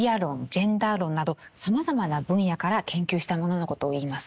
ジェンダー論などさまざまな分野から研究したもののことをいいます。